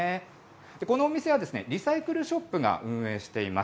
このお店は、リサイクルショップが運営しています。